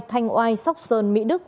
thanh oai sóc sơn mỹ đức